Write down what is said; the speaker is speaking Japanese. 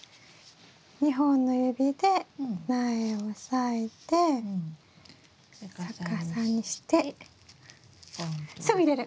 ２本の指で苗を押さえて逆さにしてすぐ入れる！